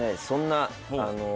そんな。